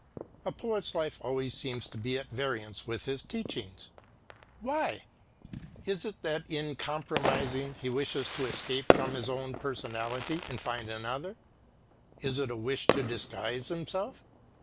A poet's life always seems to be at variance with his teachings. Why? Is it that, in composing, he wishes to escape from his own personality, and find another? Is it a wish to disguise himself?